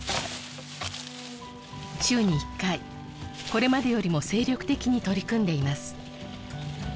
週に１回これまでよりも精力的に取り組んでいます